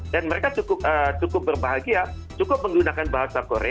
dan mereka cukup berbahagia cukup menggunakan bahasa korea